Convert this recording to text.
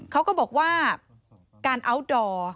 เขาก็บอกว่าการอัลดอร์